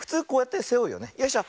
よいしょ。